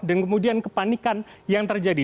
dan kemudian kepanikan yang terjadi